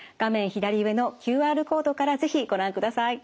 左上のＱＲコードから是非ご覧ください。